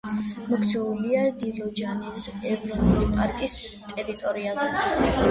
მოქცეულია დილიჯანის ეროვნული პარკის ტერიტორიაზე.